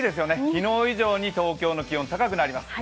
昨日以上に東京の気温、高くなります。